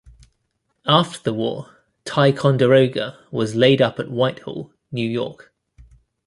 After the war, "Ticonderoga" was laid up at Whitehall, New York.